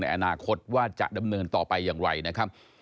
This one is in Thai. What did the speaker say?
อนาคตว่าจะดำเนินต่อไปอย่างไรนะครับ